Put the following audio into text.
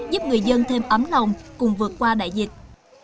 giúp người dân thêm ấm lòng cùng vượt qua đại dịch